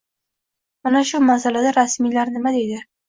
Mana shu masalada rasmiylar nima deydi?